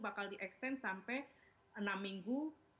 bakal di extense sampai enam minggu